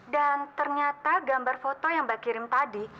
dan ternyata gambar foto yang mbak kirim tadi